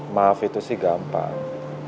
maaf itu sih gampang